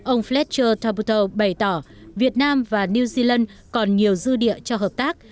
ông fletcher carbuter bày tỏ việt nam và new zealand còn nhiều dư địa cho hợp tác